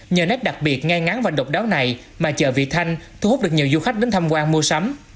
nhờ nét đặc biệt ngay ngắn và độc đáo này mà chợ vị thanh thu hút được nhiều du khách đến tham quan mua sắm